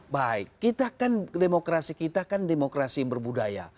baik kita kan demokrasi kita kan demokrasi yang berbudaya